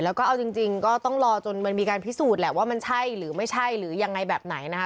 แล้วก็เอาจริงก็ต้องรอจนมันมีการพิสูจน์แหละว่ามันใช่หรือไม่ใช่หรือยังไงแบบไหนนะคะ